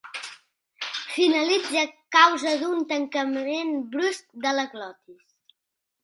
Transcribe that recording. Finalitza a causa d'un tancament brusc de la glotis.